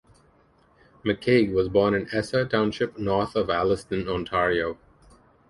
McCague was born in Essa Township, north of Alliston, Ontario.